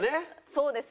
そうです。